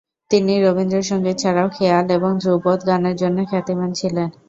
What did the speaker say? তিনি রবীন্দ্রসঙ্গীত ছাড়াও খেয়াল এবং ধ্রুপদ গানের জন্য খ্যাতিমান ছিলেন।